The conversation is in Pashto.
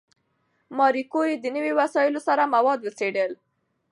ماري کوري د نوي وسایلو سره مواد وڅېړل.